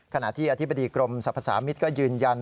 ขณะที่อธิบดีกรมสรรพสามิตรก็ยืนยัน